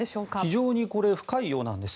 非常にこれ深いようなんです。